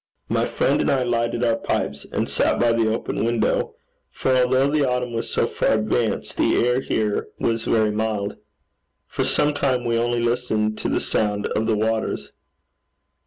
My friend and I lighted our pipes, and sat by the open window, for although the autumn was so far advanced, the air here was very mild. For some time we only listened to the sound of the waters.